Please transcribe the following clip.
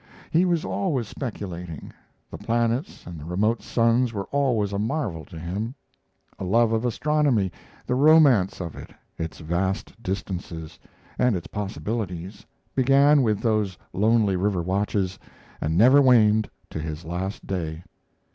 He was always speculating; the planets and the remote suns were always a marvel to him. A love of astronomy the romance of it, its vast distances, and its possibilities began with those lonely river watches and never waned to his last day.